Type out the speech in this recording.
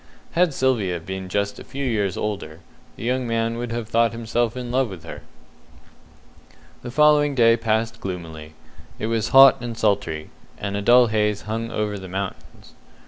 Had Sylvia been just a few years older, the young man would have thought himself in love with her. The following day passed gloomily. It was hot and sultry, and a dull haze hung over the mountains.